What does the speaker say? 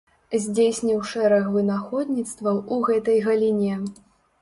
Здзейсніў шэраг вынаходніцтваў у гэтай галіне.